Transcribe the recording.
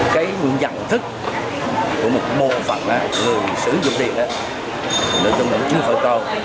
cái nhận thức của một bộ phận người sử dụng điện là trong một chương phẩm to